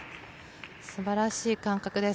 素晴らしい感覚です。